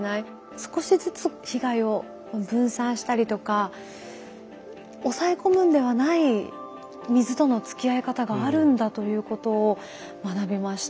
少しずつ被害を分散したりとか抑え込むんではない水とのつきあい方があるんだということを学びました。